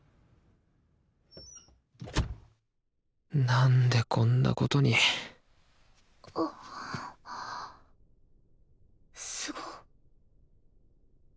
なんでこんなことにすご。